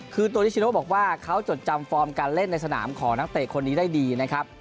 คือตัวนิชโนบอกว่าเขาจดจำฟอร์มการเล่นในสนามของนักเตะคนนี้ได้ดีนะครับ